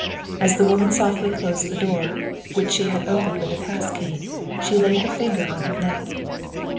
As the woman softly closed the door, which she had opened with a pass key, she laid her finger on her lip.